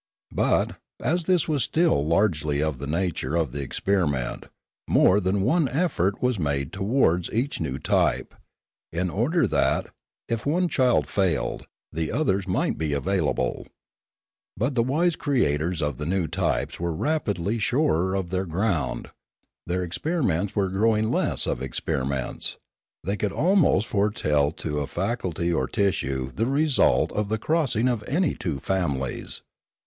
But, as this was still largely of the nature of experiment, more than one effort was made towards each new type, in order that, if one child failed, the others might be available. But the wise creators of new types were rapidly getting surer of their ground ; their experiments were growing less of experi ments; they could almost foretell to a faculty or tissue the result of the crossing of any two families.